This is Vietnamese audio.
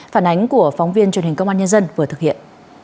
phản ánh của phóng viên truyền hình công an nhân dân vừa thực hiện